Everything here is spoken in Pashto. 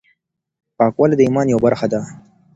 پاکوالی د ايمان يوه برخه ده.